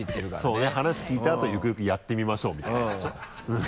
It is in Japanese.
そうね話聞いてあとゆくゆくやってみましょうみたいなやつでしょ？